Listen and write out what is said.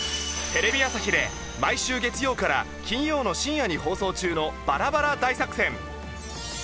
テレビ朝日で毎週月曜から金曜の深夜に放送中のバラバラ大作戦。